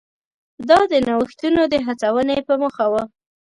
دا د نوښتونو د هڅونې په موخه و.